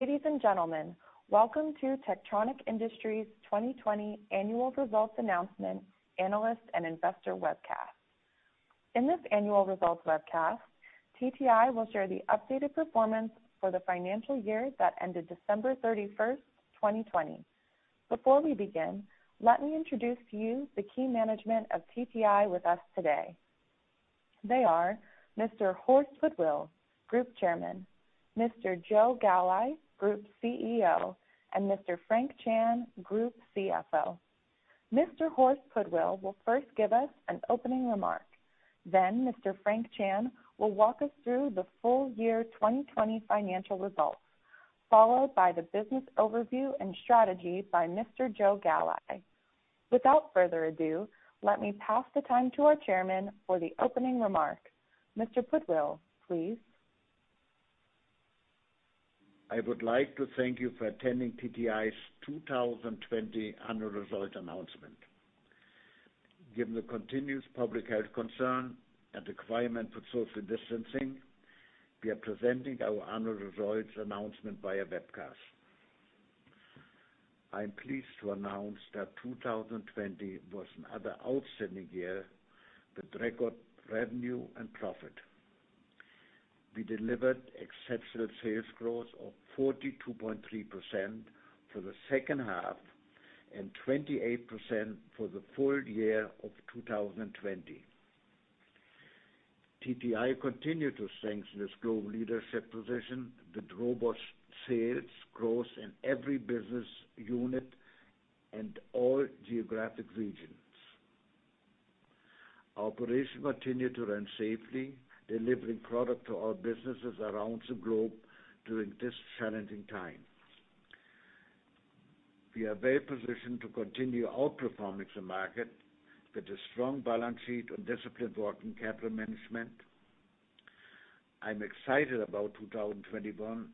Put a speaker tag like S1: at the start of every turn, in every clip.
S1: Ladies and gentlemen, welcome to Techtronic Industries 2020 Annual Results Announcement Analyst and Investor Webcast. In this annual results webcast, TTI will share the updated performance for the financial year that ended December 31st, 2020. Before we begin, let me introduce to you the key management of TTI with us today. They are Mr. Horst Pudwill, Group Chairman, Mr. Joe Galli, Group CEO, and Mr. Frank Chan, Group CFO. Mr. Horst Pudwill will first give us an opening remark. Mr. Frank Chan will walk us through the full year 2020 financial results, followed by the business overview and strategy by Mr. Joe Galli. Without further ado, let me pass the time to our chairman for the opening remark. Mr. Pudwill, please.
S2: I would like to thank you for attending TTI's 2020 annual result announcement. Given the continuous public health concern and requirement for social distancing, we are presenting our annual results announcement via webcast. I am pleased to announce that 2020 was another outstanding year with record revenue and profit. We delivered exceptional sales growth of 42.3% for the H2 and 28% for the full year of 2020. TTI continued to strengthen its global leadership position with robust sales growth in every business unit and all geographic regions. Our operation continued to run safely, delivering product to our businesses around the globe during this challenging time. We are well positioned to continue outperforming the market with a strong balance sheet and disciplined working capital management. I'm excited about 2021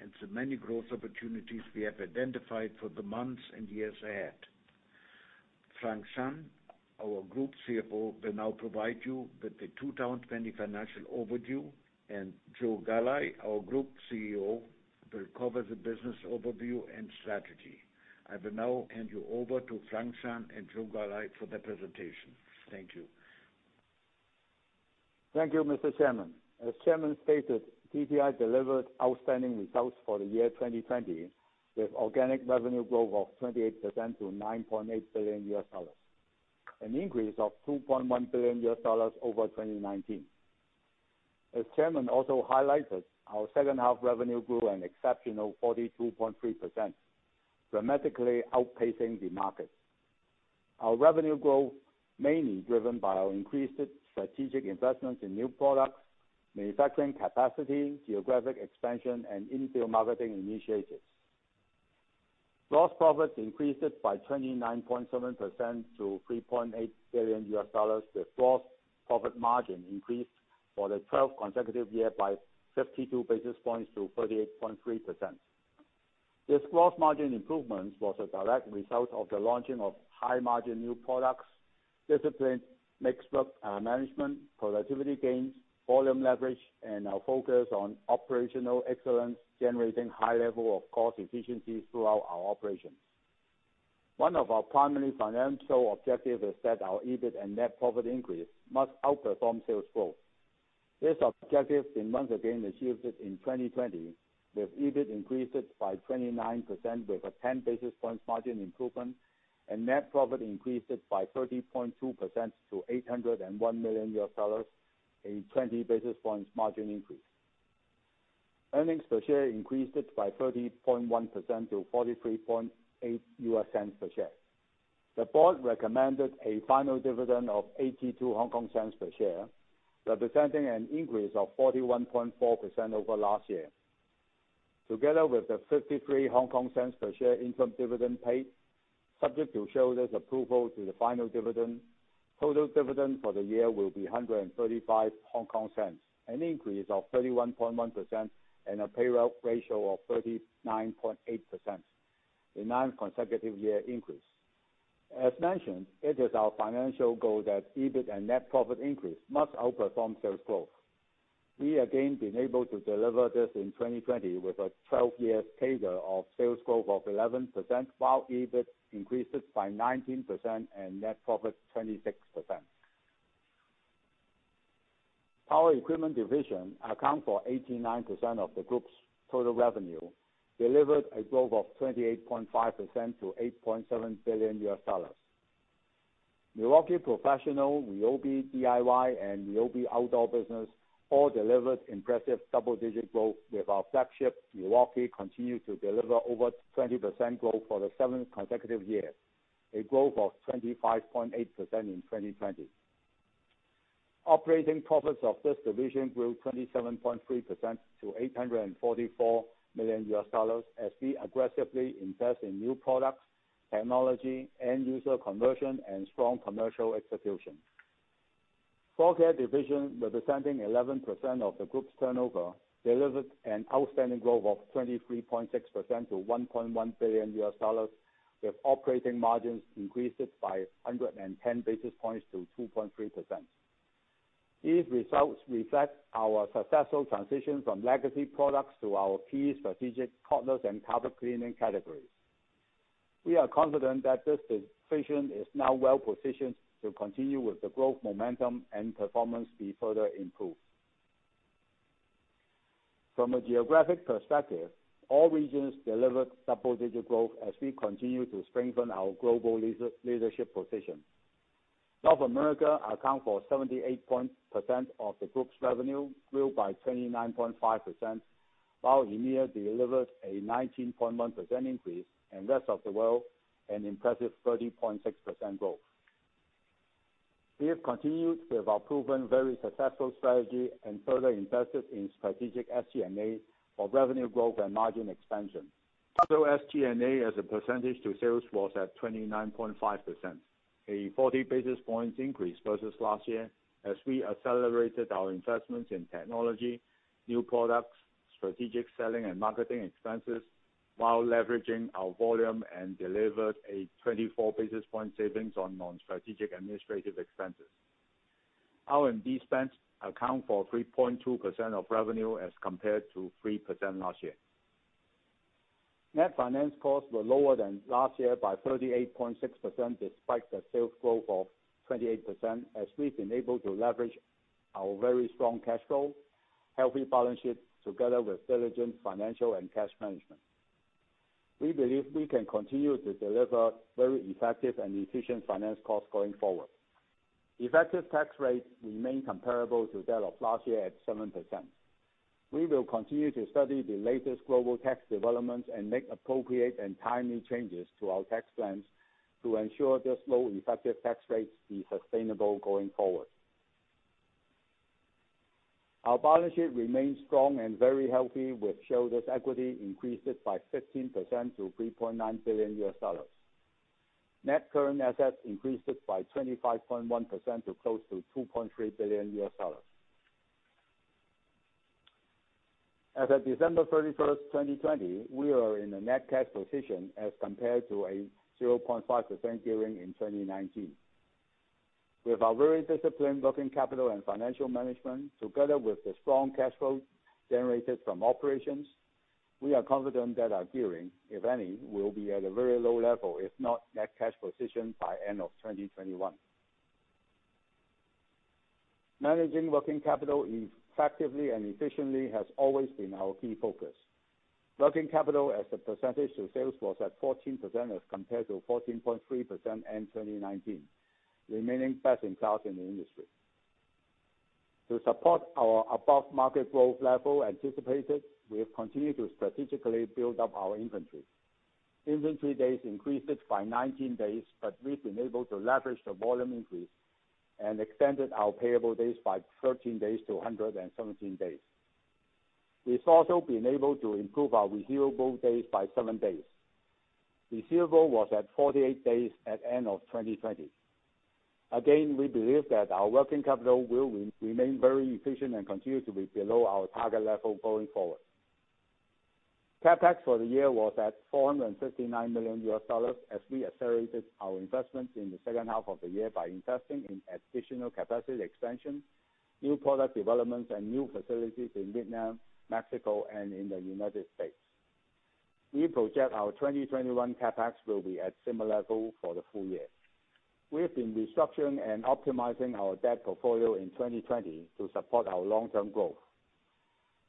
S2: and the many growth opportunities we have identified for the months and years ahead. Frank Chan, our Group CFO, will now provide you with the 2020 financial overview, and Joe Galli, our Group CEO, will cover the business overview and strategy. I will now hand you over to Frank Chan and Joe Galli for the presentation. Thank you.
S3: Thank you, Mr. Chairman. As Chairman stated, TTI delivered outstanding results for the year 2020, with organic revenue growth of 28% to $9.8 billion, an increase of $2.1 billion over 2019. As Chairman also highlighted, our H2 revenue grew an exceptional 42.3%, dramatically outpacing the market. Our revenue growth mainly driven by our increased strategic investments in new products, manufacturing capacity, geographic expansion, and in-field marketing initiatives. Gross profits increased by 29.7% to $3.8 billion with gross profit margin increased for the 12th consecutive year by 52-basis points to 38.3%. This gross margin improvements was a direct result of the launching of high margin new products, disciplined mixed management, productivity gains, volume leverage, and our focus on operational excellence, generating high level of cost efficiencies throughout our operations. One of our primary financial objectives is that our EBIT and net profit increase must outperform sales growth. This objective been once again achieved in 2020, with EBIT increased by 29% with a 10-basis points margin improvement, and net profit increased by 30.2% to $801 million, a 20-basis points margin increase. Earnings per share increased by 30.1% to $0.438 per share. The board recommended a final dividend of 0.82 per share, representing an increase of 41.4% over last year. Together with the 0.53 per share interim dividend paid, subject to shareholders approval to the final dividend, total dividend for the year will be 1.35, an increase of 31.1% and a payout ratio of 39.8%, a nine consecutive year increase. As mentioned, it is our financial goal that EBIT and net profit increase must outperform sales growth. We again been able to deliver this in 2020 with a 12-year CAGR of sales growth of 11%, while EBIT increases by 19% and net profit 26%. Power Equipment Division account for 89% of the group's total revenue, delivered a growth of 28.5% to $8.7 billion. Milwaukee Professional, RYOBI DIY, and RYOBI outdoor business all delivered impressive double-digit growth, with our flagship Milwaukee continued to deliver over 20% growth for the seventh consecutive year, a growth of 25.8% in 2020. Operating profits of this division grew 27.3% to $844 million as we aggressively invest in new products, technology, end-user conversion, and strong commercial execution. Floor Care Division, representing 11% of the group's turnover, delivered an outstanding growth of 23.6% to $1.1 billion with operating margins increased by 110 basis points to 2.3%. These results reflect our successful transition from legacy products to our key strategic cordless and carpet cleaning categories. We are confident that this division is now well-positioned to continue with the growth momentum and performance be further improved. From a geographic perspective, all regions delivered double-digit growth as we continue to strengthen our global leadership position. North America account for 78% of the group's revenue, grew by 29.5%, while EMEA delivered a 19.1% increase, and rest of the world, an impressive 30.6% growth. We have continued with our proven very successful strategy and further invested in strategic SG&A for revenue growth and margin expansion. Total SG&A as a percentage to sales was at 29.5%, a 40-basis points increase versus last year, as we accelerated our investments in technology, new products, strategic selling and marketing expenses, while leveraging our volume and delivered a 24-basis point savings on non-strategic administrative expenses. R&D spends account for 3.2% of revenue as compared to 3% last year. Net finance costs were lower than last year by 38.6%, despite the sales growth of 28%, as we've been able to leverage our very strong cash flow, healthy balance sheet, together with diligent financial and cash management. We believe we can continue to deliver very effective and efficient finance costs going forward. Effective tax rates remain comparable to that of last year at 7%. We will continue to study the latest global tax developments and make appropriate and timely changes to our tax plans to ensure this low effective tax rates be sustainable going forward. Our balance sheet remains strong and very healthy, with shareholders' equity increased by 15% to $3.9 billion. Net current assets increased by 25.1% to close to $2.3 billion. As of December 31st, 2020, we are in a net cash position as compared to a 0.5% gearing in 2019. With our very disciplined working capital and financial management, together with the strong cash flow generated from operations, we are confident that our gearing, if any, will be at a very low level, if not net cash position by end of 2021. Managing working capital effectively and efficiently has always been our key focus. Working capital as a percentage to sales was at 14% as compared to 14.3% in 2019, remaining best-in-class in the industry. To support our above-market growth level anticipated, we have continued to strategically build up our inventory. Inventory days increased by 19 days, but we've been able to leverage the volume increase and extended our payable days by 13 days to 117 days. We've also been able to improve our receivable days by seven days. Receivable was at 48 days at end of 2020. We believe that our working capital will remain very efficient and continue to be below our target level going forward. CapEx for the year was at $459 million as we accelerated our investments in the H2 of the year by investing in additional capacity expansion, new product developments, and new facilities in Vietnam, Mexico, and in the United States. We project our 2021 CapEx will be at similar goal for the full year. We have been restructuring and optimizing our debt portfolio in 2020 to support our long-term growth.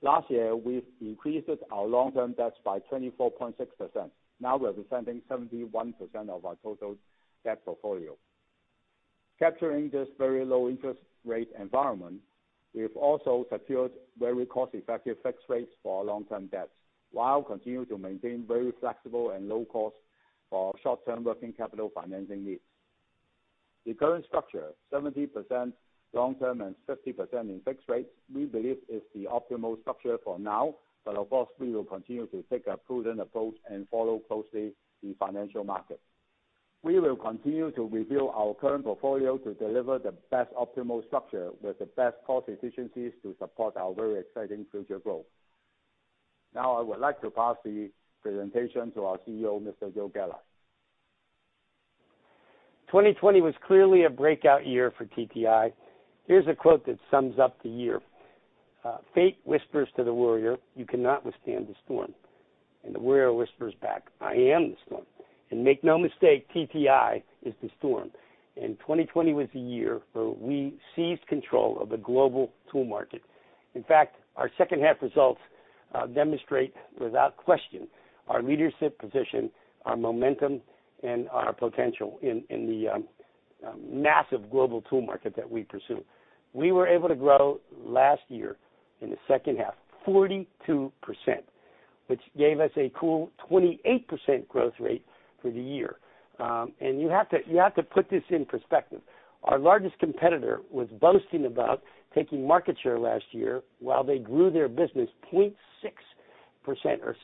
S3: Last year, we increased our long-term debts by 24.6%, now representing 71% of our total debt portfolio. Capturing this very low-interest rate environment, we have also secured very cost-effective fixed rates for our long-term debts, while continue to maintain very flexible and low cost for short-term working capital financing needs. The current structure, 70% long-term and 30% in fixed rates, we believe is the optimal structure for now, but of course, we will continue to take a prudent approach and follow closely the financial market. We will continue to review our current portfolio to deliver the best optimal structure with the best cost efficiencies to support our very exciting future growth. Now, I would like to pass the presentation to our CEO, Mr. Joe Galli.
S4: 2020 was clearly a breakout year for TTI. Here's a quote that sums up the year. "Fate whispers to the warrior, 'You cannot withstand the storm.' And the warrior whispers back, 'I am the storm.'" Make no mistake, TTI is the storm. 2020 was the year where we seized control of the global tool market. In fact, our H2 results demonstrate, without question, our leadership position, our momentum, and our potential in the massive global tool market that we pursue. We were able to grow last year in the H2 42%, which gave us a cool 28% growth rate for the year. You have to put this in perspective. Our largest competitor was boasting about taking market share last year while they grew their business 0.6% or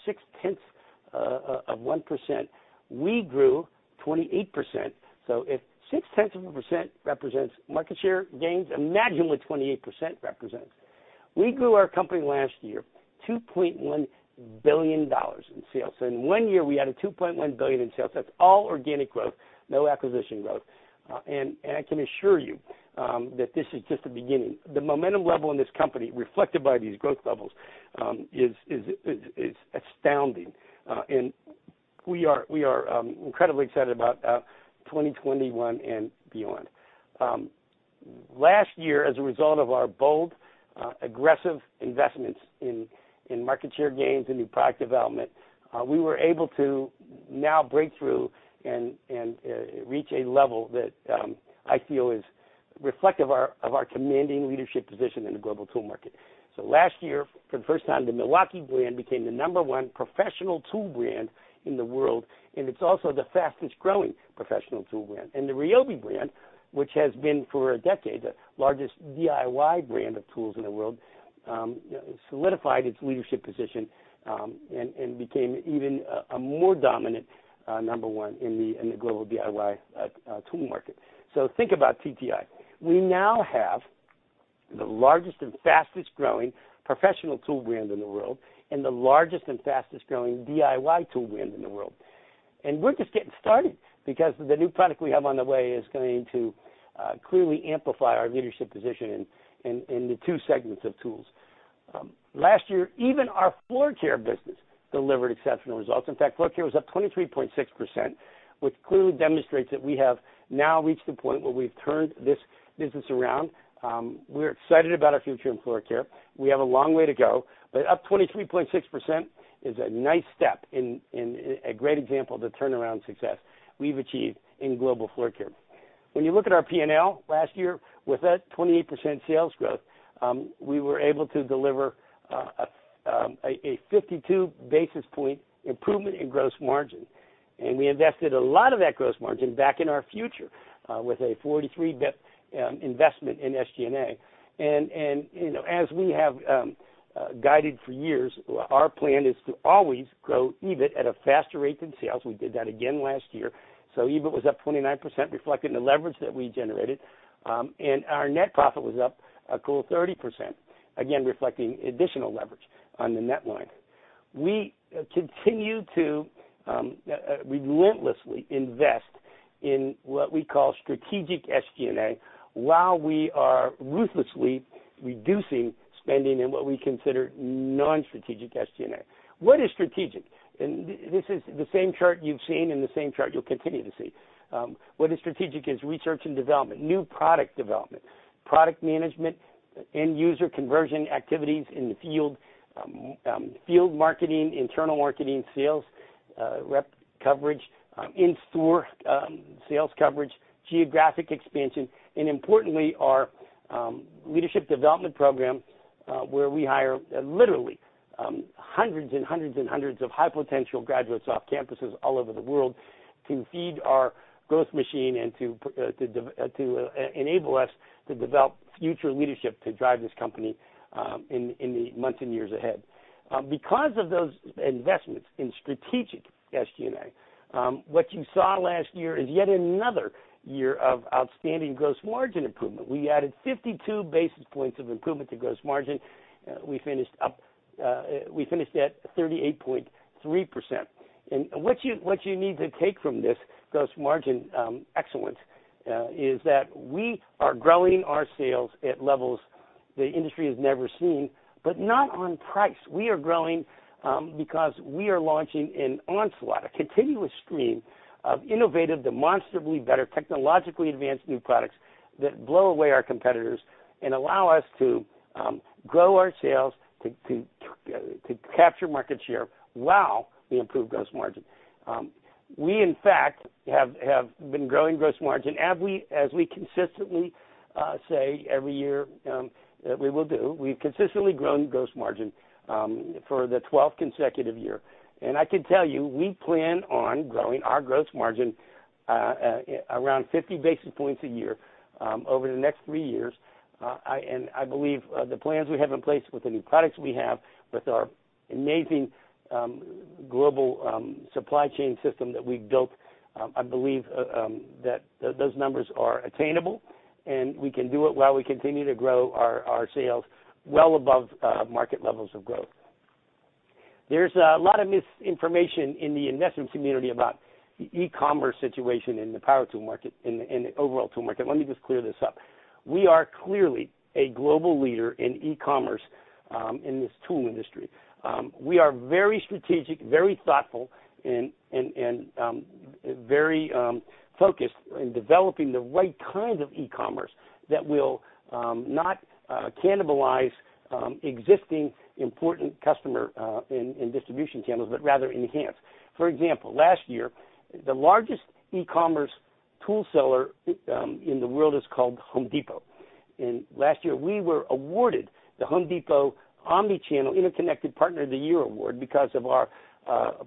S4: 0.6%. We grew 28%. If 0.6% represents market share gains, imagine what 28% represents. We grew our company last year, $2.1 billion in sales. In one year, we added $2.1 billion in sales. That's all organic growth, no acquisition growth. I can assure you that this is just the beginning. The momentum level in this company reflected by these growth levels is astounding. We are incredibly excited about 2021 and beyond. Last year, as a result of our bold, aggressive investments in market share gains and new product development, we were able to now break through and reach a level that I feel is reflective of our commanding leadership position in the global tool market. Last year, for the first time, the Milwaukee brand became the number one professional tool brand in the world, and it's also the fastest-growing professional tool brand. The RYOBI brand, which has been for a decade, the largest DIY brand of tools in the world, solidified its leadership position, and became even a more dominant number one in the global DIY tool market. Think about TTI. We now have the largest and fastest-growing professional tool brand in the world, and the largest and fastest-growing DIY tool brand in the world. We're just getting started because the new product we have on the way is going to clearly amplify our leadership position in the two segments of tools. Last year, even our floor care business delivered exceptional results. In fact, floor care was up 23.6%, which clearly demonstrates that we have now reached the point where we've turned this business around. We're excited about our future in floor care. We have a long way to go, up 23.6% is a nice step and a great example of the turnaround success we've achieved in global floor care. When you look at our P&L last year with that 28% sales growth, we were able to deliver a 52-basis point improvement in gross margin, and we invested a lot of that gross margin back in our future, with a 43-basis point investment in SG&A. As we have guided for years, our plan is to always grow EBIT at a faster rate than sales. We did that again last year. EBIT was up 29%, reflecting the leverage that we generated. Our net profit was up a cool 30%, again, reflecting additional leverage on the net line. We continue to relentlessly invest in what we call strategic SG&A while we are ruthlessly reducing spending in what we consider non-strategic SG&A. What is strategic? This is the same chart you've seen and the same chart you'll continue to see. What is strategic is research and development, new product development, product management, end-user conversion activities in the field marketing, internal marketing, sales, rep coverage, in-store sales coverage, geographic expansion, and importantly, our leadership development program, where we hire literally hundreds of high-potential graduates off campuses all over the world to feed our growth machine and to enable us to develop future leadership to drive this company in the months and years ahead. Because of those investments in strategic SG&A, what you saw last year is yet another year of outstanding gross margin improvement. We added 52 basis points of improvement to gross margin. We finished at 38.3%. What you need to take from this gross margin excellence is that we are growing our sales at levels the industry has never seen, but not on price. We are growing because we are launching an onslaught, a continuous stream of innovative, demonstrably better, technologically advanced new products that blow away our competitors and allow us to grow our sales to capture market share while we improve gross margin. We, in fact, have been growing gross margin as we consistently say every year that we will do. We've consistently grown gross margin for the 12th consecutive year. I can tell you, we plan on growing our gross margin around 50-basis points a year over the next three years. I believe the plans we have in place with the new products we have, with our amazing global supply chain system that we've built, I believe that those numbers are attainable, and we can do it while we continue to grow our sales well above market levels of growth. There's a lot of misinformation in the investment community about the e-commerce situation in the power tool market, in the overall tool market. Let me just clear this up. We are clearly a global leader in e-commerce in this tool industry. We are very strategic, very thoughtful, and very focused in developing the right kind of e-commerce that will not cannibalize existing important customer and distribution channels but rather enhance. For example, last year, the largest e-commerce tool seller in the world is called The Home Depot. Last year, we were awarded the Home Depot Omni-Channel Interconnected Partner of the Year award because of our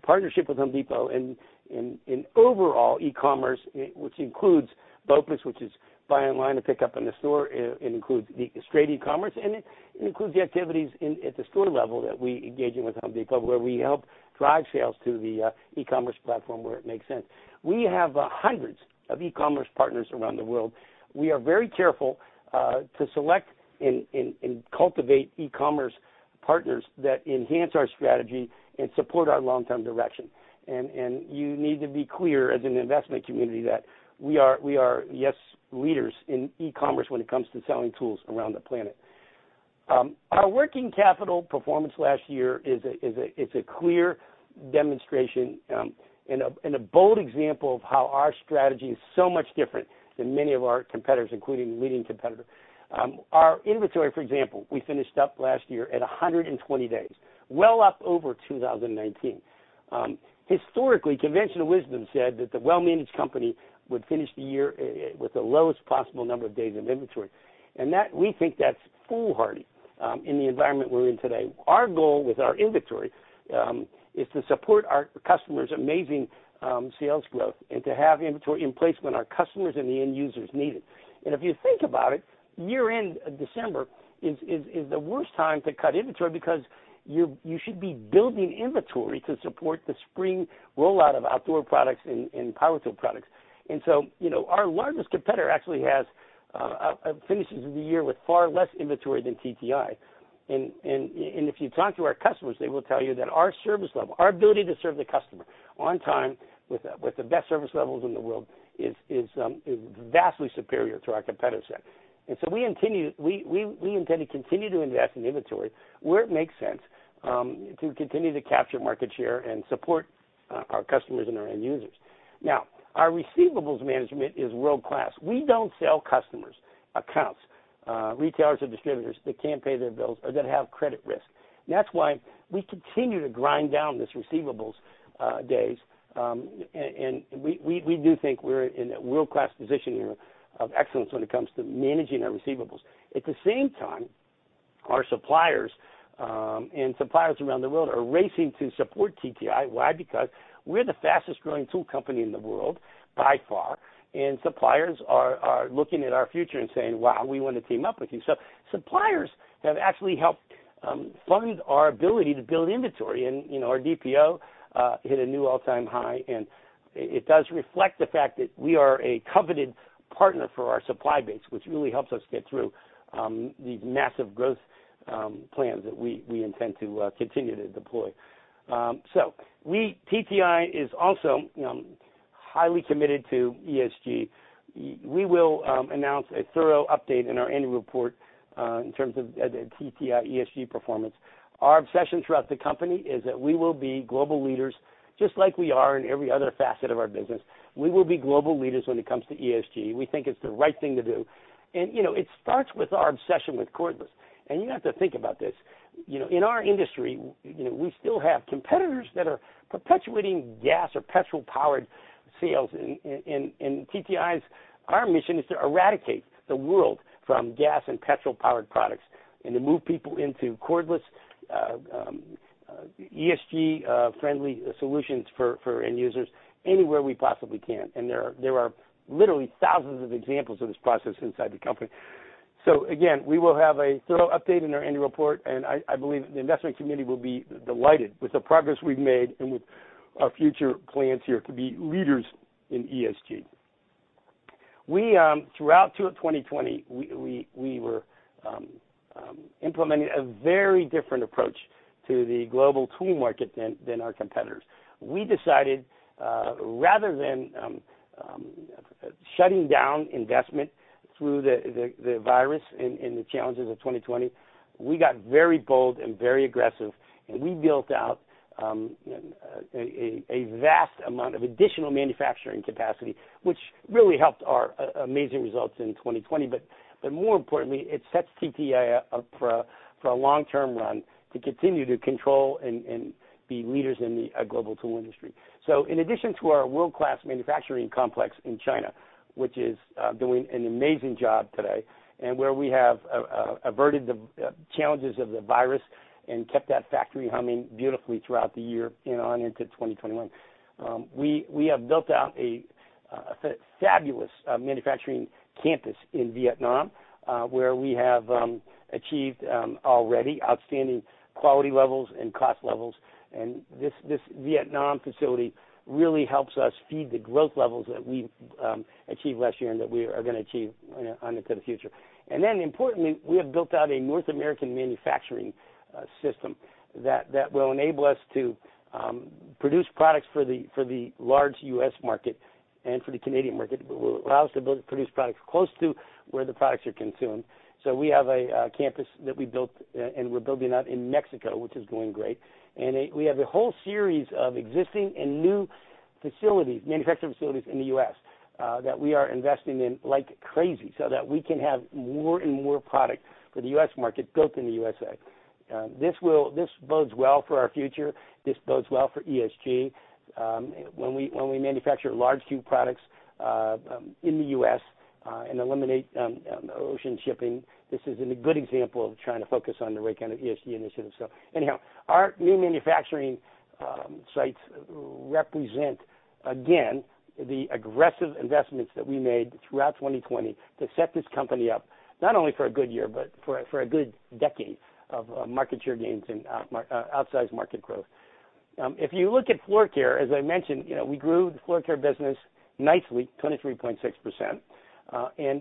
S4: partnership with The Home Depot in overall e-commerce, which includes BOPUS, which is buy online and pick up in the store. It includes straight e-commerce, and it includes the activities at the store level that we engage in with The Home Depot, where we help drive sales to the e-commerce platform where it makes sense. We have hundreds of e-commerce partners around the world. We are very careful to select and cultivate e-commerce partners that enhance our strategy and support our long-term direction. You need to be clear as an investment community that we are, yes, leaders in e-commerce when it comes to selling tools around the planet. Our working capital performance last year is a clear demonstration, and a bold example of how our strategy is so much different than many of our competitors, including the leading competitor. Our inventory, for example, we finished up last year at 120 days, well up over 2019. Historically, conventional wisdom said that the well-managed company would finish the year with the lowest possible number of days of inventory, and we think that's foolhardy in the environment we're in today. Our goal with our inventory is to support our customers' amazing sales growth and to have inventory in place when our customers and the end users need it. If you think about it, year-end, December is the worst time to cut inventory because you should be building inventory to support the spring rollout of outdoor products and power tool products. Our largest competitor actually finishes the year with far less inventory than TTI. If you talk to our customers, they will tell you that our service level, our ability to serve the customer on time with the best service levels in the world, is vastly superior to our competitor set. We intend to continue to invest in inventory where it makes sense to continue to capture market share and support our customers and our end users. Now, our receivables management is world-class. We don't sell customers accounts, retailers or distributors that can't pay their bills or that have credit risk. That's why we continue to grind down these receivables days, and we do think we're in a world-class position of excellence when it comes to managing our receivables. At the same time, our suppliers, and suppliers around the world, are racing to support TTI. Why? We're the fastest growing tool company in the world by far, suppliers are looking at our future and saying, "Wow, we want to team up with you." Suppliers have actually helped fund our ability to build inventory. Our DPO hit a new all-time high, and it does reflect the fact that we are a coveted partner for our supply base, which really helps us get through these massive growth plans that we intend to continue to deploy. TTI is also highly committed to ESG. We will announce a thorough update in our annual report in terms of TTI ESG performance. Our obsession throughout the company is that we will be global leaders, just like we are in every other facet of our business. We will be global leaders when it comes to ESG. We think it's the right thing to do. It starts with our obsession with cordless. You have to think about this. In our industry, we still have competitors that are perpetuating gas or petrol-powered sales. In TTI, our mission is to eradicate the world from gas and petrol-powered products and to move people into cordless, ESG-friendly solutions for end users anywhere we possibly can. There are literally thousands of examples of this process inside the company. Again, we will have a thorough update in our annual report, and I believe the investment community will be delighted with the progress we’ve made and with our future plans here to be leaders in ESG. Throughout 2020, we were implementing a very different approach to the global tool market than our competitors. We decided, rather than shutting down investment through the virus and the challenges of 2020, we got very bold and very aggressive, and we built out a vast amount of additional manufacturing capacity, which really helped our amazing results in 2020. More importantly, it sets TTI up for a long-term run to continue to control and be leaders in the global tool industry. In addition to our world-class manufacturing complex in China, which is doing an amazing job today, and where we have averted the challenges of the virus and kept that factory humming beautifully throughout the year and on into 2021. We have built out a fabulous manufacturing campus in Vietnam, where we have achieved already outstanding quality levels and cost levels. This Vietnam facility really helps us feed the growth levels that we achieved last year and that we are going to achieve on into the future. Then importantly, we have built out a North American manufacturing system that will enable us to produce products for the large U.S. market and for the Canadian market. It will allow us to produce products close to where the products are consumed. We have a campus that we built and we're building out in Mexico, which is going great. We have a whole series of existing and new facilities, manufacturing facilities in the U.S. that we are investing in like crazy so that we can have more and more product for the U.S. market built in the U.S.A. This bodes well for our future. This bodes well for ESG. When we manufacture large tool products in the U.S. and eliminate ocean shipping, this is a good example of trying to focus on the right kind of ESG initiatives. Anyhow, our new manufacturing sites represent, again, the aggressive investments that we made throughout 2020 to set this company up, not only for a good year, but for a good decade of market share gains and outsized market growth. If you look at floor care, as I mentioned, we grew the floor care business nicely, 23.6%, and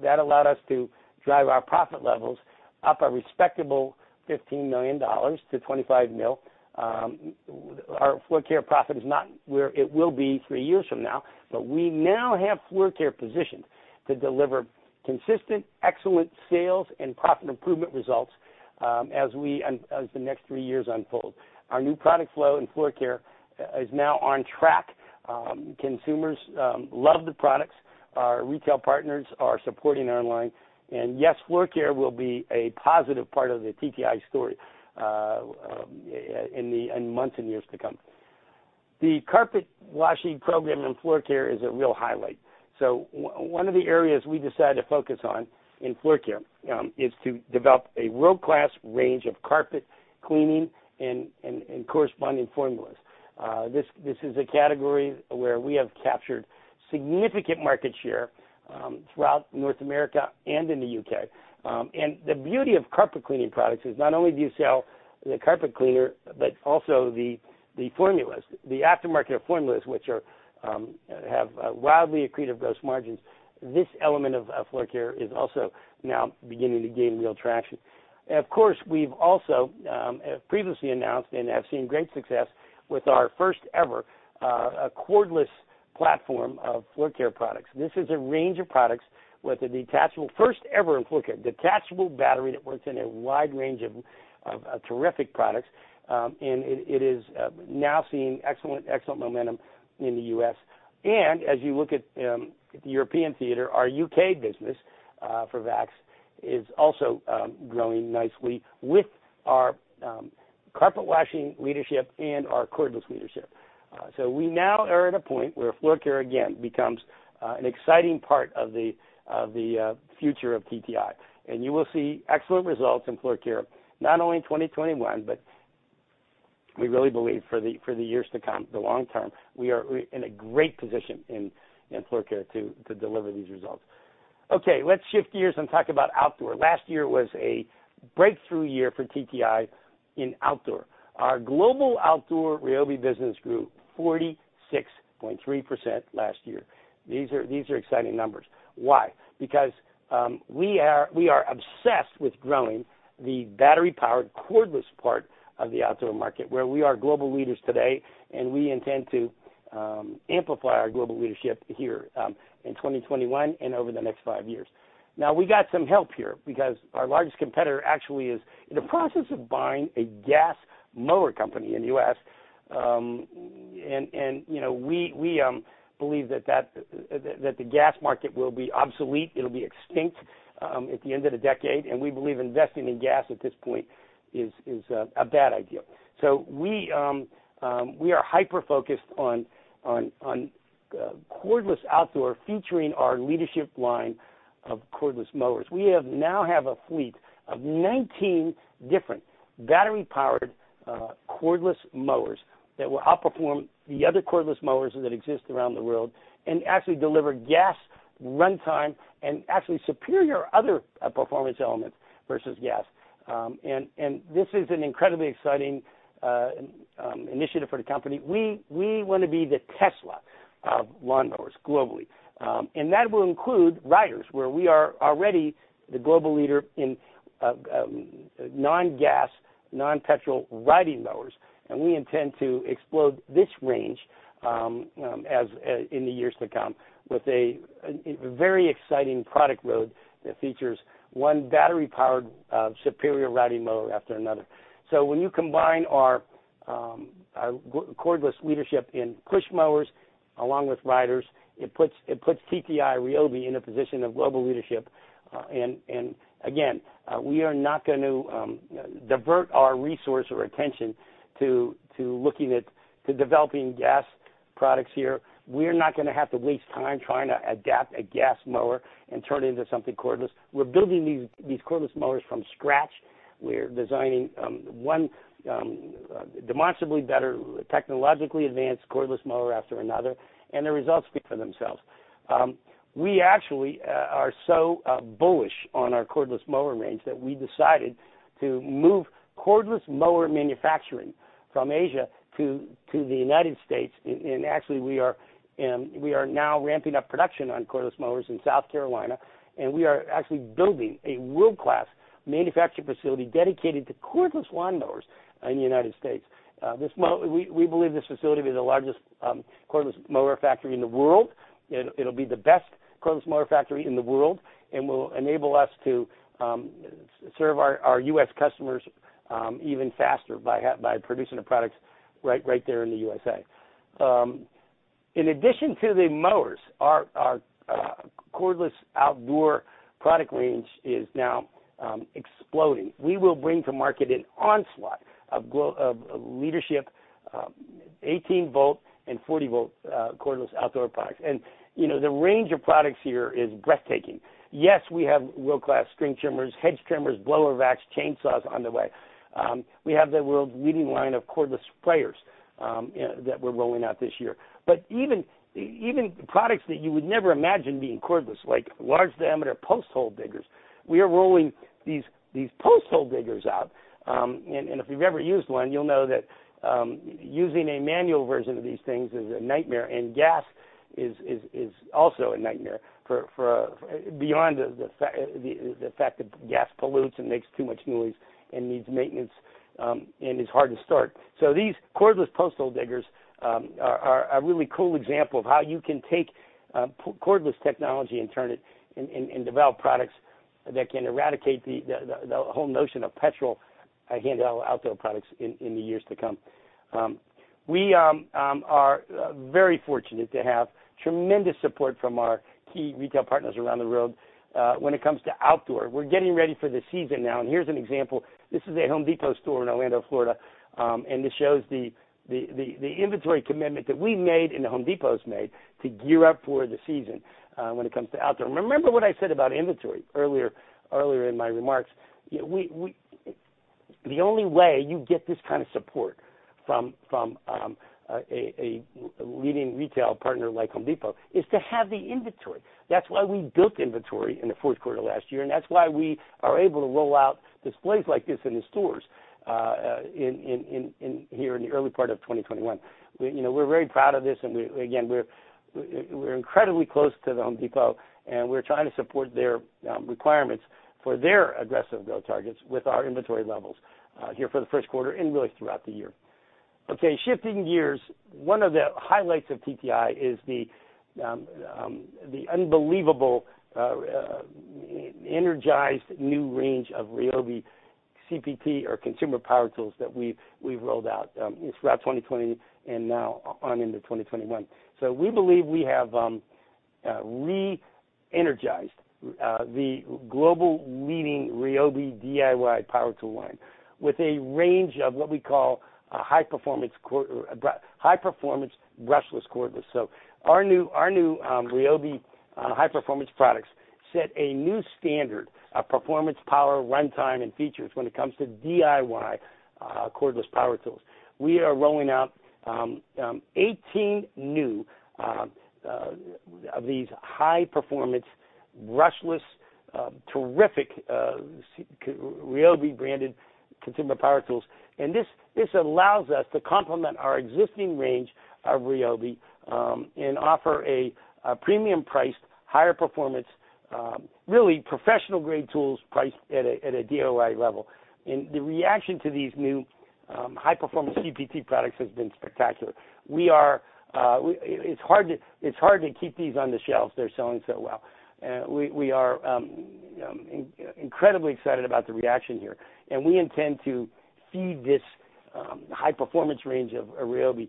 S4: that allowed us to drive our profit levels up a respectable $15-$25 million. Our floor care profit is not where it will be three years from now, but we now have floor care positioned to deliver consistent excellent sales and profit improvement results as the next three years unfold. Our new product flow in floor care is now on track. Consumers love the products. Our retail partners are supporting our line. Yes, floor care will be a positive part of the TTI story in months and years to come. The carpet washing program in floor care is a real highlight. One of the areas we decided to focus on in floor care is to develop a world-class range of carpet cleaning and corresponding formulas. This is a category where we have captured significant market share throughout North America and in the U.K. The beauty of carpet cleaning products is not only do you sell the carpet cleaner, but also the formulas, the aftermarket formulas, which have wildly accretive gross margins. This element of floor care is also now beginning to gain real traction. Of course, we've also previously announced and have seen great success with our first-ever cordless platform of floor care products. This is a range of products with a detachable, first ever in floor care, detachable battery that works in a wide range of terrific products. It is now seeing excellent momentum in the U.S. As you look at the European theater, our U.K. business for Vax is also growing nicely with our carpet washing leadership and our cordless leadership. We now are at a point where floor care again becomes an exciting part of the future of TTI. You will see excellent results in floor care, not only in 2021, but we really believe for the years to come, the long term, we are in a great position in floor care to deliver these results. Okay, let's shift gears and talk about outdoor. Last year was a breakthrough year for TTI in outdoor. Our global outdoor RYOBI business grew 46.3% last year. These are exciting numbers. Why? We are obsessed with growing the battery-powered cordless part of the outdoor market, where we are global leaders today, and we intend to amplify our global leadership here in 2021 and over the next five years. We got some help here because our largest competitor actually is in the process of buying a gas mower company in the U.S., and we believe that the gas market will be obsolete, it'll be extinct at the end of the decade, and we believe investing in gas at this point is a bad idea. We are hyper-focused on cordless outdoor featuring our leadership line of cordless mowers. We now have a fleet of 19 different battery-powered cordless mowers that will outperform the other cordless mowers that exist around the world and actually deliver gas runtime and actually superior other performance elements versus gas. This is an incredibly exciting initiative for the company. We want to be the Tesla of lawnmowers globally. That will include riders, where we are already the global leader in non-gas, non-petrol riding mowers. We intend to explode this range in the years to come with a very exciting product road that features one battery-powered superior riding mower after another. When you combine our cordless leadership in push mowers along with riders, it puts TTI RYOBI in a position of global leadership. Again, we are not going to divert our resource or attention to developing gas products here. We're not going to have to waste time trying to adapt a gas mower and turn it into something cordless. We're building these cordless mowers from scratch. We're designing one demonstrably better technologically advanced cordless mower after another, and the results speak for themselves. We actually are so bullish on our cordless mower range that we decided to move cordless mower manufacturing from Asia to the U.S. And actually, we are now ramping up production on cordless mowers in South Carolina, and we are actually building a world-class manufacturing facility dedicated to cordless lawnmowers in the U.S. We believe this facility will be the largest cordless mower factory in the world. It'll be the best cordless mower factory in the world and will enable us to serve our U.S. customers even faster by producing the products right there in the U.S.A. In addition to the mowers, our cordless outdoor product range is now exploding. We will bring to market an onslaught of leadership 18-volt and 40-volt cordless outdoor products. The range of products here is breathtaking. Yes, we have world-class string trimmers, hedge trimmers, blower vacs, chainsaws on the way. We have the world's leading line of cordless sprayers that we're rolling out this year. Even products that you would never imagine being cordless, like large diameter post hole diggers, we are rolling these post hole diggers out. If you've ever used one, you'll know that using a manual version of these things is a nightmare, and gas is also a nightmare beyond the fact that gas pollutes and makes too much noise and needs maintenance, and is hard to start. These cordless post hole diggers are a really cool example of how you can take cordless technology and turn it and develop products that can eradicate the whole notion of petrol handheld outdoor products in the years to come. We are very fortunate to have tremendous support from our key retail partners around the world when it comes to outdoor. We're getting ready for the season now, and here's an example. This is a Home Depot store in Orlando, Florida, and this shows the inventory commitment that we made, and that Home Depot's made to gear up for the season when it comes to outdoor. Remember what I said about inventory earlier in my remarks. The only way you get this kind of support from a leading retail partner like Home Depot is to have the inventory. That's why we built inventory in the Q4 of last year, and that's why we are able to roll out displays like this in the stores here in the early part of 2021. We're very proud of this, and again, we're incredibly close to Home Depot, and we're trying to support their requirements for their aggressive growth targets with our inventory levels here for the first quarter and really throughout the year. Shifting gears. One of the highlights of TTI is the unbelievable energized new range of RYOBI CPT or consumer power tools that we've rolled out throughout 2020 and now on into 2021. We believe we have re-energized the global leading RYOBI DIY power tool line with a range of what we call a high performance brushless cordless. Our new RYOBI high-performance products set a new standard of performance, power, runtime, and features when it comes to DIY cordless power tools. We are rolling out 18 new of these high performance brushless terrific RYOBI branded consumer power tools, and this allows us to complement our existing range of RYOBI and offer a premium priced, higher performance, really professional grade tools priced at a DIY level. The reaction to these new high-performance CPT products has been spectacular. It's hard to keep these on the shelves. They're selling so well. We are incredibly excited about the reaction here. We intend to feed this high performance range of RYOBI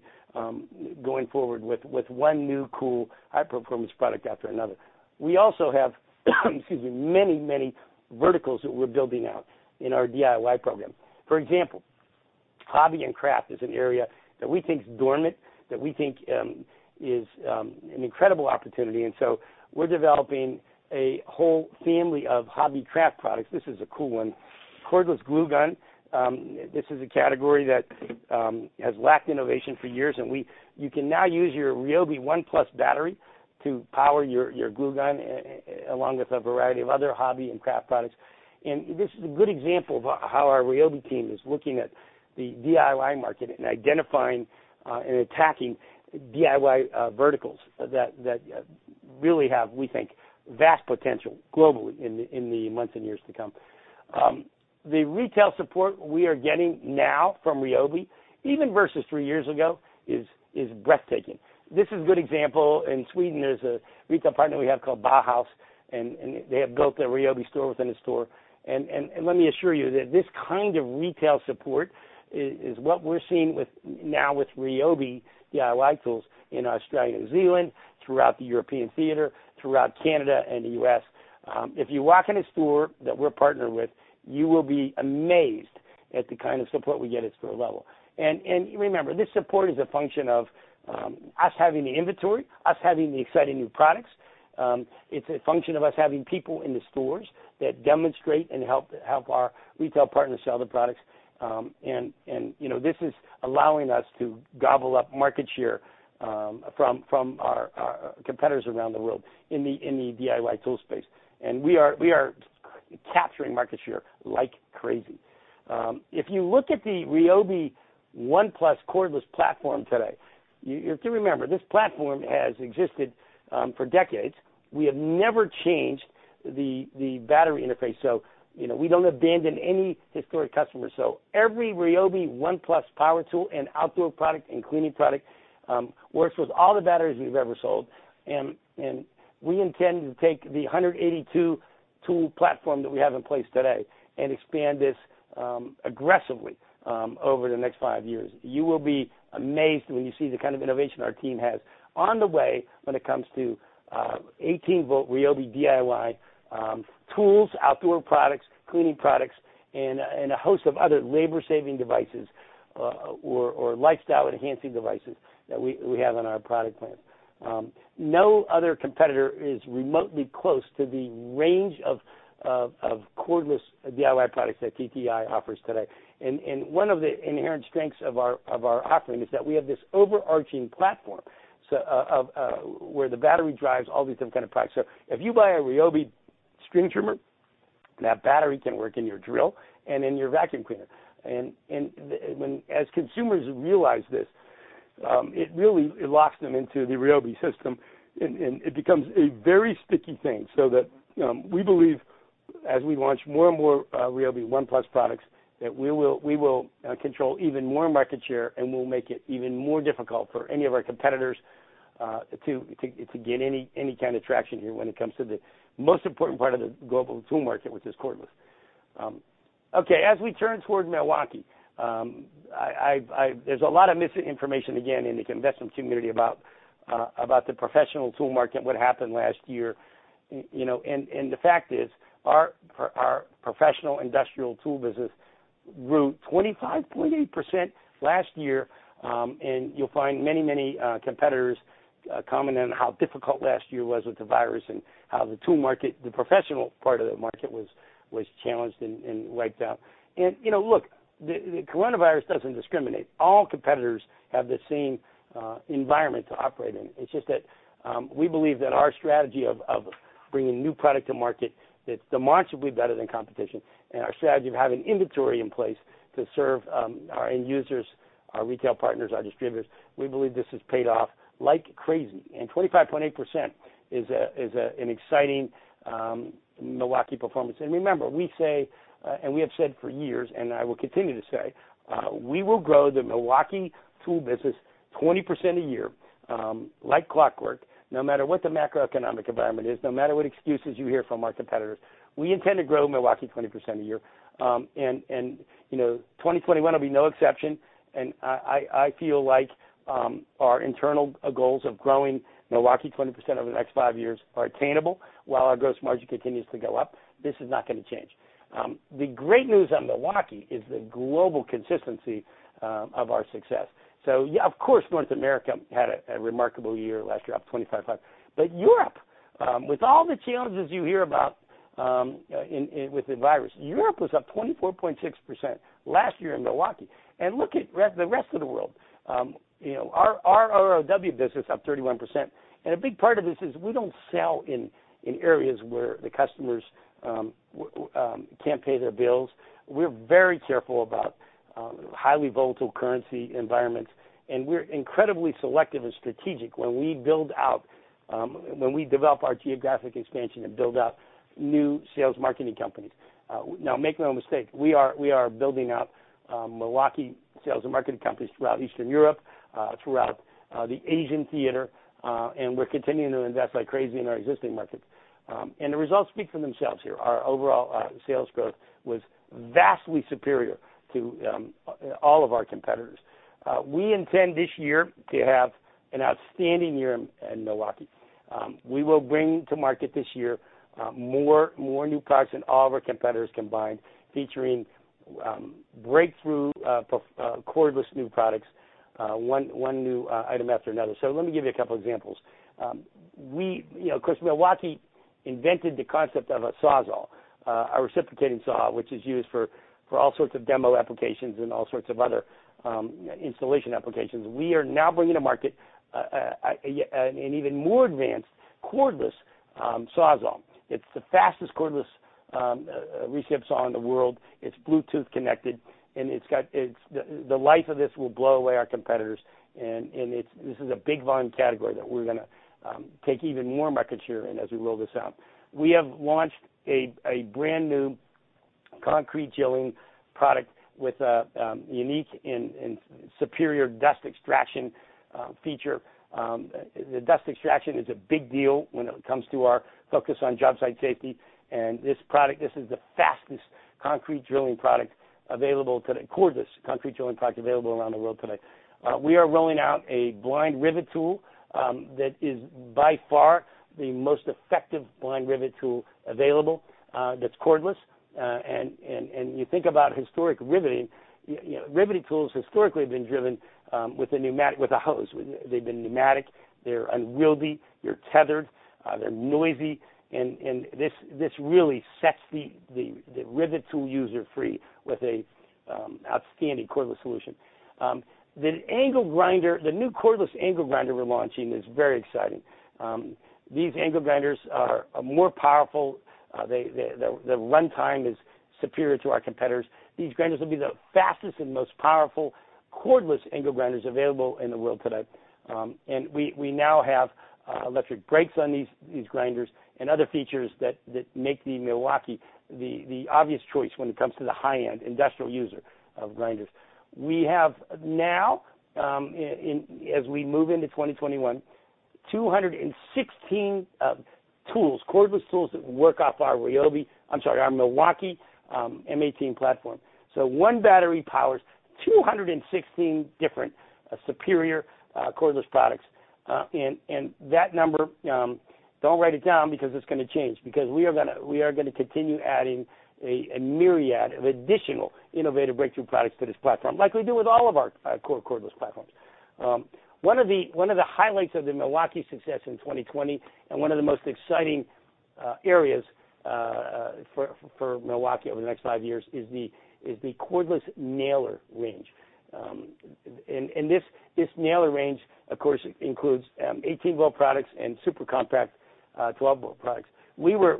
S4: going forward with one new cool high-performance product after another. We also have excuse me, many verticals that we're building out in our DIY program. For example, hobby and craft is an area that we think is dormant, that we think is an incredible opportunity. We're developing a whole family of hobby craft products. This is a cool one, cordless glue gun. This is a category that has lacked innovation for years. You can now use your RYOBI ONE+ battery to power your glue gun, along with a variety of other hobby and craft products. This is a good example of how our RYOBI team is looking at the DIY market and identifying and attacking DIY verticals that really have, we think, vast potential globally in the months and years to come. The retail support we are getting now from RYOBI, even versus three years ago, is breathtaking. This is a good example. In Sweden, there's a retail partner we have called Bauhaus, and they have built a RYOBI store within a store. Let me assure you that this kind of retail support is what we're seeing now with RYOBI DIY tools in Australia and New Zealand, throughout the European theater, throughout Canada and the U.S. If you walk in a store that we're partnered with, you will be amazed at the kind of support we get at store level. Remember, this support is a function of us having the inventory, us having the exciting new products. It's a function of us having people in the stores that demonstrate and help our retail partners sell the products. This is allowing us to gobble up market share from our competitors around the world in the DIY tool space. We are capturing market share like crazy. If you look at the RYOBI ONE+ cordless platform today, you have to remember, this platform has existed for decades. We have never changed the battery interface, so we don't abandon any historic customer. Every RYOBI ONE+ power tool and outdoor product and cleaning product works with all the batteries we've ever sold, and we intend to take the 182-tool platform that we have in place today and expand this aggressively over the next five years. You will be amazed when you see the kind of innovation our team has on the way when it comes to 18-volt RYOBI DIY tools, outdoor products, cleaning products, and a host of other labor-saving devices or lifestyle enhancing devices that we have on our product plans. No other competitor is remotely close to the range of cordless DIY products that TTI offers today. One of the inherent strengths of our offering is that we have this overarching platform where the battery drives all these different kind of products. If you buy a RYOBI string trimmer, that battery can work in your drill and in your vacuum cleaner. As consumers realize this, it really locks them into the RYOBI system, and it becomes a very sticky thing, so that we believe as we launch more and more RYOBI ONE+ products, that we will control even more market share, and we'll make it even more difficult for any of our competitors to get any kind of traction here when it comes to the most important part of the global tool market, which is cordless. As we turn towards Milwaukee, there's a lot of misinformation, again, in the investment community about the professional tool market and what happened last year. The fact is that our professional industrial tool business grew 25.8% last year. You'll find many competitors commenting on how difficult last year was with the virus, and how the tool markets, the professional part of the market was challenged and wiped out. Look, the coronavirus doesn't discriminate. All competitors have the same environment to operate in. It's just that we believe that our strategy of bringing new product to market that's demonstrably better than competition, and our strategy of having inventory in place to serve our end users, our retail partners, our distributors, we believe this has paid off like crazy. 25.8% is an exciting Milwaukee performance. Remember, we say, and we have said for years, and I will continue to say, we will grow the Milwaukee tool business 20% a year like clockwork, no matter what the macroeconomic environment is, no matter what excuses you hear from our competitors. We intend to grow Milwaukee 20% a year. 2021 will be no exception. I feel like our internal goals of growing Milwaukee 20% over the next five years are attainable while our gross margin continues to go up. This is not going to change. The great news on Milwaukee is the global consistency of our success. Yeah, of course, North America had a remarkable year last year, up 25.5%. Europe, with all the challenges you hear about with the virus, Europe was up 24.6% last year in Milwaukee. Look at the rest of the world. Our ROW business up 31%. A big part of this is we don't sell in areas where the customers can't pay their bills. We're very careful about highly volatile currency environments, and we're incredibly selective and strategic when we develop our geographic expansion and build out new sales marketing companies. Now make no mistake, we are building out Milwaukee sales and marketing companies throughout Eastern Europe, throughout the Asian theater, and we're continuing to invest like crazy in our existing markets. The results speak for themselves here. Our overall sales growth was vastly superior to all of our competitors. We intend this year to have an outstanding year in Milwaukee. We will bring to market this year more new products than all of our competitors combined, featuring breakthrough cordless new products, one new item after another. Let me give you a couple examples. Of course, Milwaukee invented the concept of a SAWZALL, a reciprocating saw, which is used for all sorts of demo applications and all sorts of other installation applications. We are now bringing to market an even more advanced cordless SAWZALL. It's the fastest cordless recipsaw in the world. It's Bluetooth connected. The life of this will blow away our competitors. This is a big volume category that we're going to take even more market share in as we roll this out. We have launched a brand-new concrete drilling product with a unique and superior dust extraction feature. The dust extraction is a big deal when it comes to our focus on job site safety. This is the fastest concrete drilling product available today, cordless concrete drilling product available around the world today. We are rolling out a blind rivet tool that is by far the most effective blind rivet tool available that's cordless. You think about historic riveting tools historically have been driven with a hose. They've been pneumatic, they're unwieldy, you're tethered, they're noisy, and this really sets the rivet tool user free with an outstanding cordless solution. The new cordless angle grinder we're launching is very exciting. These angle grinders are more powerful. Their runtime is superior to our competitors. These grinders will be the fastest and most powerful cordless angle grinders available in the world today. We now have electric brakes on these grinders and other features that make the Milwaukee the obvious choice when it comes to the high-end industrial user of grinders. We have now, as we move into 2021, 216 tools, cordless tools that work off our Milwaukee M18 platform. One battery power 216 different superior cordless products. That number don't write it down because it's going to change, because we are going to continue adding a myriad of additional innovative breakthrough products to this platform, like we do with all of our core cordless platforms. One of the highlights of the Milwaukee success in 2020, and one of the most exciting areas for Milwaukee over the next five years, is the cordless nailer range. This nailer range, of course, includes 18-volt products and super compact 12-volt products. We were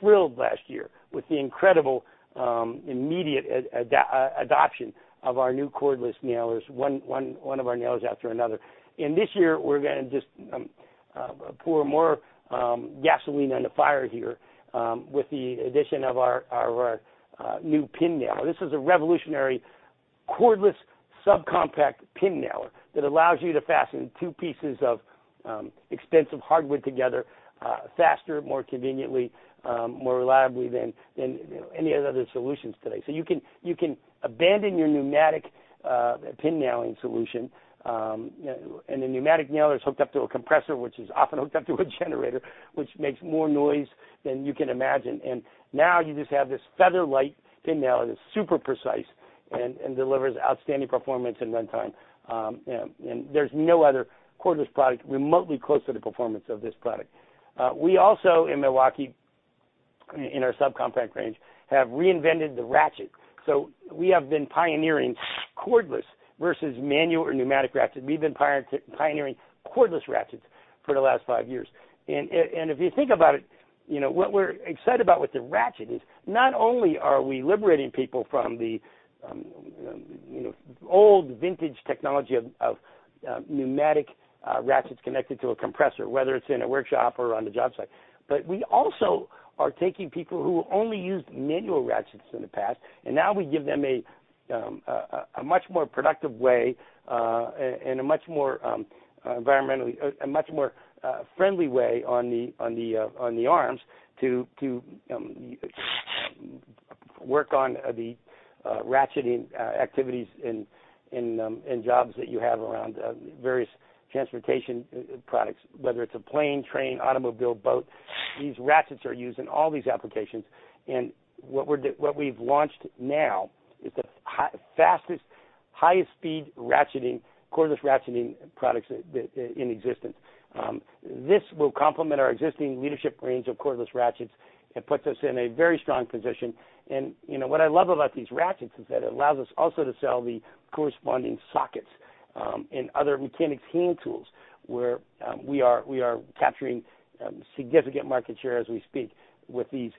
S4: thrilled last year with the incredible immediate adoption of our new cordless nailers, one of our nailers after another. This year, we're going to just pour more gasoline on the fire here with the addition of our new pin nailer. This is a revolutionary cordless subcompact pin nailer that allows you to fasten two pieces of expensive hardwood together faster, more conveniently, more reliably than any of the other solutions today. You can abandon your pneumatic pin nailing solution. The pneumatic nailer is hooked up to a compressor, which is often hooked up to a generator, which makes more noise than you can imagine. Now you just have this feather-light pin nailer that's super precise and delivers outstanding performance and runtime. There's no other cordless product remotely close to the performance of this product. We also, in Milwaukee, in our subcompact range, have reinvented the ratchet. We have been pioneering cordless versus manual or pneumatic ratchets. We've been pioneering cordless ratchets for the last five years. If you think about it, what we're excited about with the ratchet is not only are we liberating people from the old vintage technology of pneumatic ratchets connected to a compressor, whether it's in a workshop or on the job site, but we also are taking people who only used manual ratchets in the past, and now we give them a much more productive way and a much more friendly way on the arms to work on the ratcheting activities in jobs that you have around various transportation products, whether it's a plane, train, automobile, boat. These ratchets are used in all these applications. What we've launched now is the fastest, highest speed ratcheting, cordless ratcheting products in existence. This will complement our existing leadership range of cordless ratchets. It puts us in a very strong position. What I love about these ratchets is that it allows us also to sell the corresponding sockets and other mechanic's hand tools, where we are capturing significant market share as we speak with these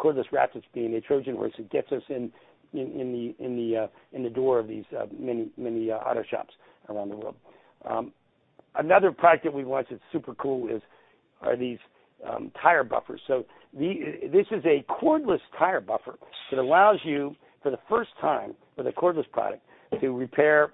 S4: cordless ratchets being a Trojan horse that gets us in the door of these many auto shops around the world. Another product that we launched that's super cool are these tire buffers. This is a cordless tire buffer that allows you, for the first time with a cordless product, to repair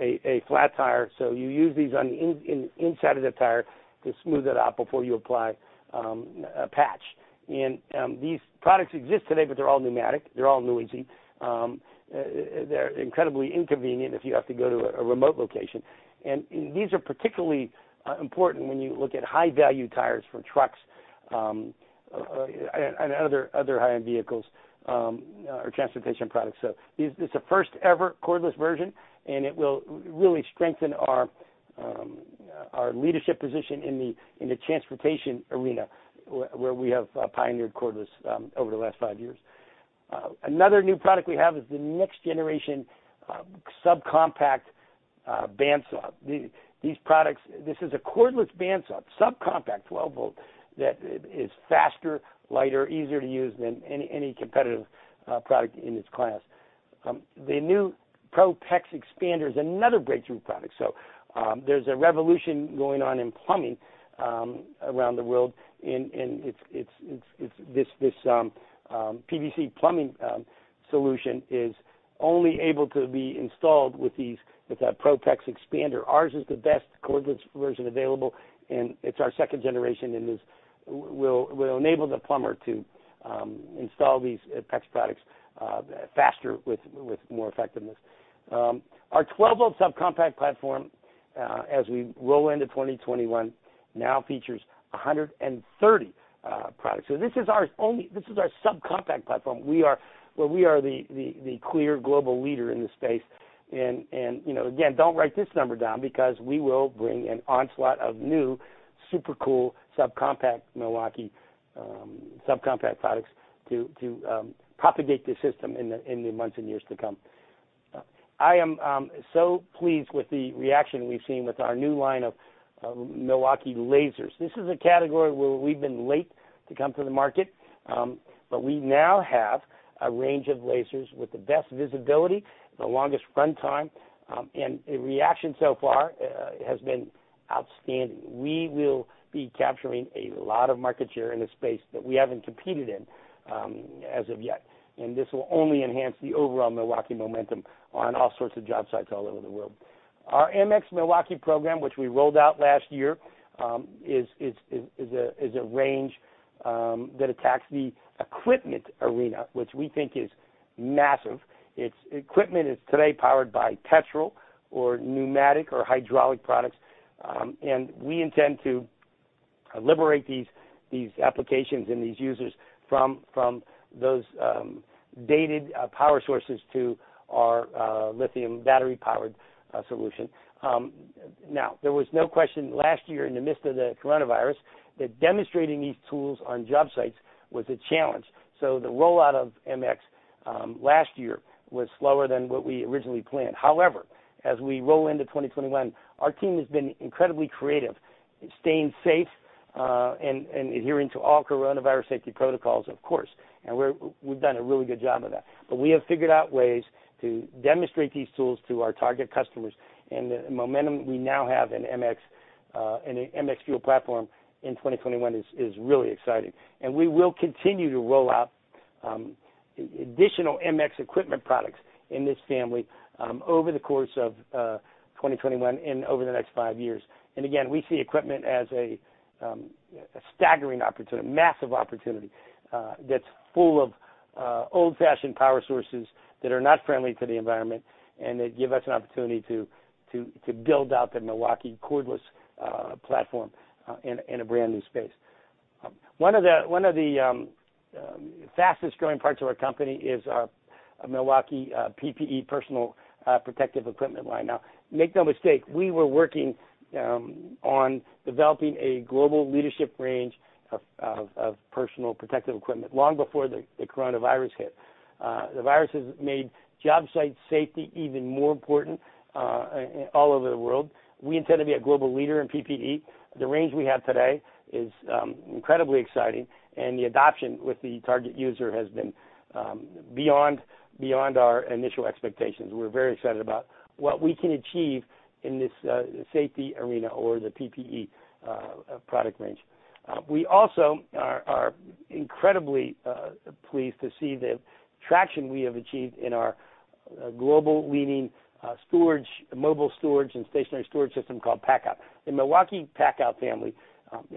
S4: a flat tire. You use these on the inside of the tire to smooth it out before you apply a patch. These products exist today, but they're all pneumatic. They're all noisy. They're incredibly inconvenient if you have to go to a remote location. These are particularly important when you look at high-value tires for trucks and other high-end vehicles or transportation products. It's a first ever cordless version, and it will really strengthen our leadership position in the transportation arena, where we have pioneered cordless over the last five years. Another new product we have is the next generation subcompact band saw. This is a cordless band saw, subcompact 12-volt, that is faster, lighter, easier to use than any competitive product in its class. The new ProPEX expander is another breakthrough product. There's a revolution going on in plumbing around the world, and this PVC plumbing solution is only able to be installed with that ProPEX expander. Ours is the best cordless version available, and it's our second generation, and this will enable the plumber to install these PEX products faster with more effectiveness. Our 12-volt subcompact platform, as we roll into 2021, now features 130 products. This is our subcompact platform, where we are the clear global leader in the space. Again, don't write this number down because we will bring an onslaught of new super cool subcompact Milwaukee subcompact products to propagate the system in the months and years to come. I am so pleased with the reaction we've seen with our new line of Milwaukee lasers. This is a category where we've been late to come to the market, we now have a range of lasers with the best visibility, the longest runtime, and the reaction so far has been outstanding. We will be capturing a lot of market share in a space that we haven't competed in as of yet. This will only enhance the overall Milwaukee momentum on all sorts of job sites all over the world. Our MX Milwaukee program, which we rolled out last year, is a range that attacks the equipment arena, which we think is massive. Equipment is today powered by petrol or pneumatic or hydraulic products, and we intend to liberate these applications and these users from those dated power sources to our lithium battery-powered solution. Now, there was no question last year in the midst of the coronavirus that demonstrating these tools on job sites was a challenge. The rollout of MX last year was slower than what we originally planned. However, as we roll into 2021, our team has been incredibly creative in staying safe and adhering to all coronavirus safety protocols, of course, and we've done a really good job of that. We have figured out ways to demonstrate these tools to our target customers, and the momentum we now have in MX FUEL platform in 2021 is really exciting. We will continue to roll out additional MX equipment products in this family over the course of 2021 and over the next five years. Again, we see equipment as a staggering opportunity, a massive opportunity that's full of old-fashioned power sources that are not friendly to the environment, and that give us an opportunity to build out the Milwaukee cordless platform in a brand-new space. One of the fastest-growing parts of our company is our Milwaukee PPE personal protective equipment line. Now, make no mistake, we were working on developing a global leadership range of personal protective equipment long before the coronavirus hit. The virus has made job site safety even more important all over the world. We intend to be a global leader in PPE. The range we have today is incredibly exciting, and the adoption with the target user has been beyond our initial expectations. We're very excited about what we can achieve in this safety arena or the PPE product range. We also are incredibly pleased to see the traction we have achieved in our global-leading mobile storage and stationary storage system called PACKOUT. The Milwaukee PACKOUT family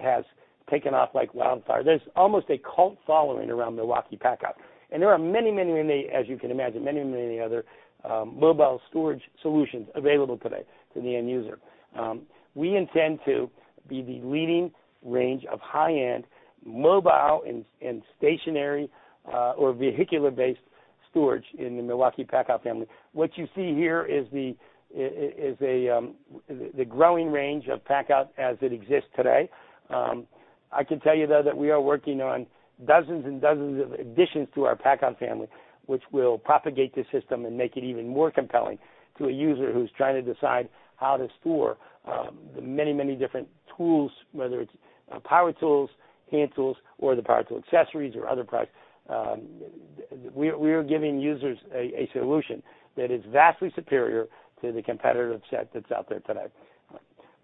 S4: has taken off like wildfire. There's almost a cult following around Milwaukee PACKOUT. There are many, as you can imagine, many other mobile storage solutions available today to the end user. We intend to be the leading range of high-end mobile and stationary or vehicular-based storage in the Milwaukee PACKOUT family. What you see here is the growing range of PACKOUT as it exists today. I can tell you, though, that we are working on dozens and dozens of additions to our PACKOUT family, which will propagate the system and make it even more compelling to a user who's trying to decide how to store the many different tools, whether it's power tools, hand tools, or the power tool accessories or other products. We are giving users a solution that is vastly superior to the competitor set that's out there today.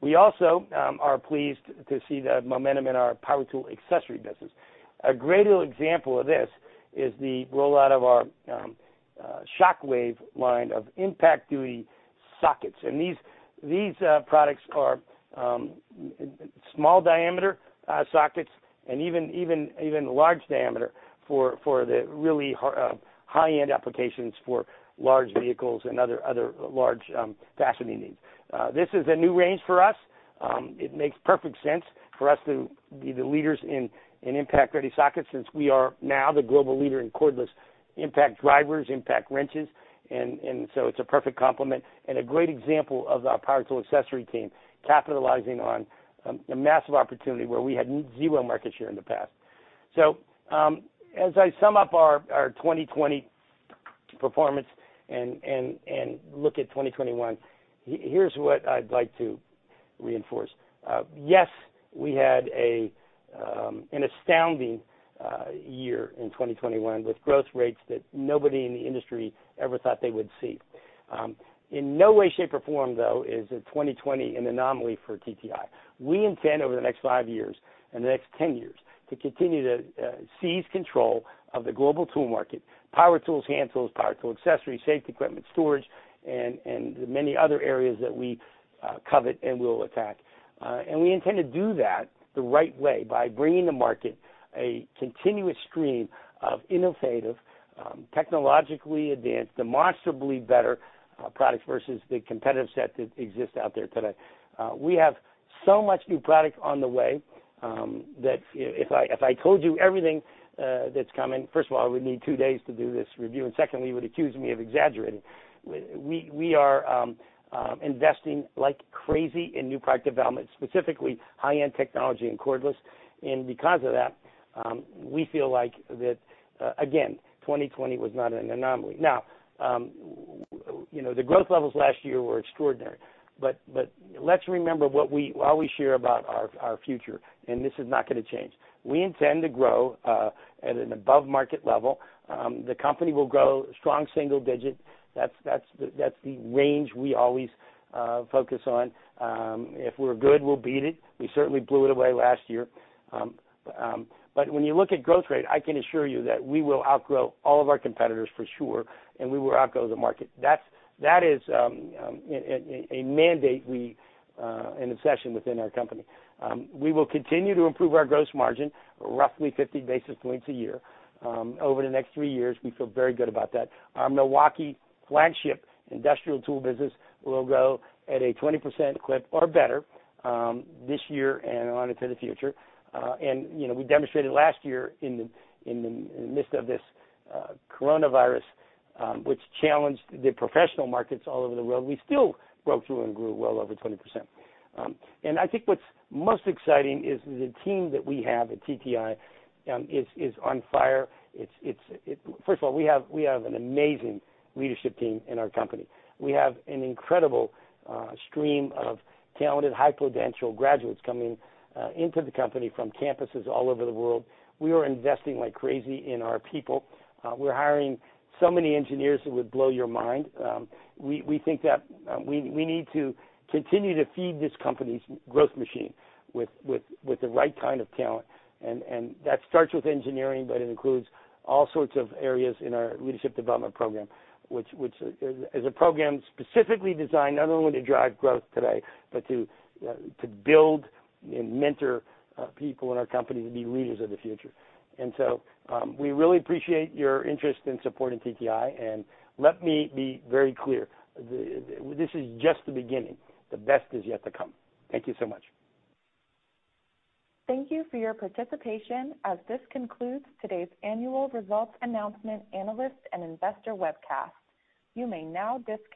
S4: We also are pleased to see the momentum in our power tool accessory business. A great example of this is the rollout of our SHOCKWAVE line of Impact-Duty sockets. These products are small diameter sockets and even large diameter for the really high-end applications for large vehicles and other large fastening needs. This is a new range for us. It makes perfect sense for us to be the leaders in impact-ready sockets since we are now the global leader in cordless impact drivers, impact wrenches, and so it's a perfect complement and a great example of our power tool accessory team capitalizing on a massive opportunity where we had zero market share in the past. As I sum up our 2020 performance and look at 2021, here's what I'd like to reinforce. Yes, we had an astounding year in 2021 with growth rates that nobody in the industry ever thought they would see. In no way, shape, or form, though, is 2020 an anomaly for TTI. We intend over the next five years and the next 10 years to continue to seize control of the global tool market, power tools, hand tools, power tool accessories, safety equipment, storage, and the many other areas that we covet and will attack. We intend to do that the right way by bringing the market a continuous stream of innovative, technologically advanced, demonstrably better products versus the competitive set that exists out there today. We have so much new product on the way that if I told you everything that's coming, first of all, I would need two days to do this review, and second, you would accuse me of exaggerating. We are investing like crazy in new product development, specifically high-end technology and cordless, and because of that, we feel like that, again, 2020 was not an anomaly. Now, the growth levels last year were extraordinary, but let's remember what we always share about our future, and this is not going to change. We intend to grow at an above-market level. The company will grow strong single digit. That's the range we always focus on. If we're good, we'll beat it. We certainly blew it away last year. When you look at growth rate, I can assure you that we will outgrow all of our competitors for sure, and we will outgrow the market. That is a mandate and obsession within our company. We will continue to improve our gross margin, roughly 50-basis points a year. Over the next three years, we feel very good about that. Our Milwaukee flagship industrial tool business will grow at a 20% clip or better this year and on into the future. We demonstrated last year in the midst of this coronavirus, which challenged the professional markets all over the world, we still broke through and grew well over 20%. I think what's most exciting is the team that we have at TTI is on fire. First of all, we have an amazing leadership team in our company. We have an incredible stream of talented, high-potential graduates coming into the company from campuses all over the world. We are investing like crazy in our people. We're hiring so many engineers it would blow your mind. We think that we need to continue to feed this company's growth machine with the right kind of talent. That starts with engineering, but it includes all sorts of areas in our Leadership Development Program, which is a program specifically designed not only to drive growth today, but to build and mentor people in our company to be leaders of the future. We really appreciate your interest in supporting TTI. Let me be very clear. This is just the beginning. The best is yet to come. Thank you so much.
S1: Thank you for your participation as this concludes today's annual results announcement analyst and investor webcast. You may now disconnect.